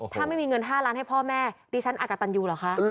ถ้าไม่มีเงิน๕ล้านให้พ่อแม่ดิฉันอากตันยูเหรอคะ